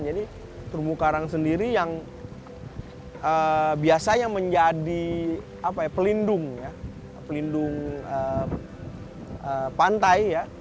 jadi terumbu karang sendiri yang biasanya menjadi pelindung pelindung pantai